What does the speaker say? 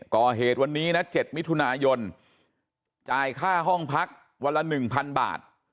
ก่อเหตุวันนี้นะ๗มิถุนายนจ่ายค่าห้องพักวันละ๑๐๐บาท